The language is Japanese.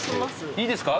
いいですか？